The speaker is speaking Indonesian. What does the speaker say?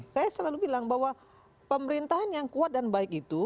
saya selalu bilang bahwa pemerintahan yang kuat dan baik itu